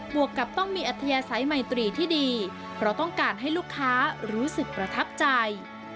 วกกับต้องมีอัธยาศัยไมตรีที่ดีเพราะต้องการให้ลูกค้ารู้สึกประทับใจ